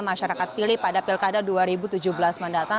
masyarakat pilih pada pilkada dua ribu tujuh belas mendatang